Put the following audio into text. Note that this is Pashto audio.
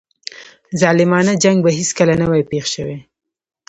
ظالمانه جنګ به هیڅکله نه وای پېښ شوی.